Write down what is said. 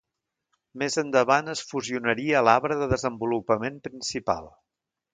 Més endavant es fusionaria a l'arbre de desenvolupament principal.